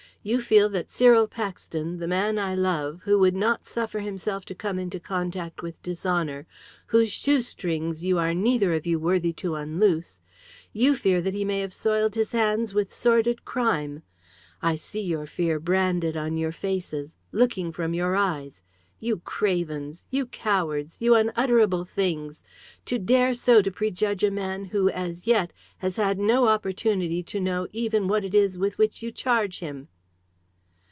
You feel that Cyril Paxton, the man I love, who would not suffer himself to come into contact with dishonour, whose shoestrings you are neither of you worthy to unloose you fear that he may have soiled his hands with sordid crime. I see your fear branded on your faces looking from your eyes. You cravens! You cowards! You unutterable things! To dare so to prejudge a man who, as yet, has had no opportunity to know even what it is with which you charge him!"